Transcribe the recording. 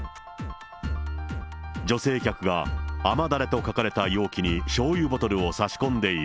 女性客が甘だれと書かれた容器にしょうゆボトルを差し込んでいる。